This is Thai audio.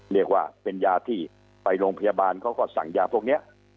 เรียกว่าเป็นยาที่ไปโรงพยาบาลเขาก็สั่งยาพวกนี้